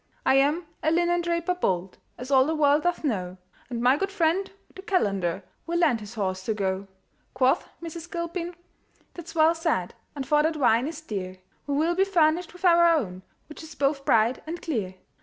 "I am a linendraper bold, As all the world doth know, And my good friend the calender Will lend his horse to go." Quoth Mrs. Gilpin, "That's well said; And for that wine is dear, We will be furnished with our own, Which is both bright and clear."